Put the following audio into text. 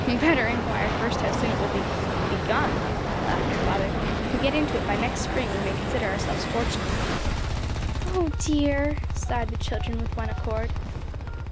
"Better inquire first how soon it will be begun," laughed her father. "If we get into it by next spring we may consider ourselves fortunate." "Oh dear!" sighed the children with one accord.